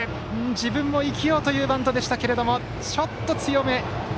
自分も生きようというバントでしたがちょっと強め。